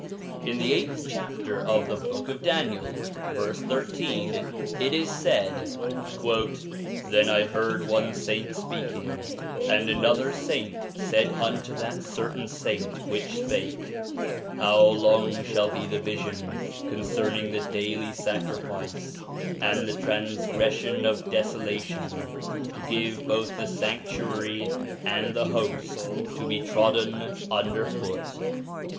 In the eighth chapter of the Book of Daniel, verse thirteen, it is said :' Then I heard one saint speaking, and another saint said unto that certain saint which spake, How long shall be the vision concerning the D 50 SOME ANSWERED QUESTIONS daily sacrifice, and the transgression of desolation, to give both the sanctuary and the host to be trodden under foot